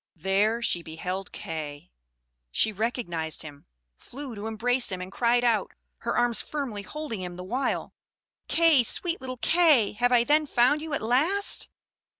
There she beheld Kay: she recognised him, flew to embrace him, and cried out, her arms firmly holding him the while, "Kay, sweet little Kay! Have I then found you at last?"